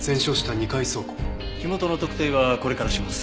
火元の特定はこれからします。